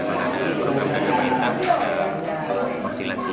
ada program dagang maintang ada porsi lansia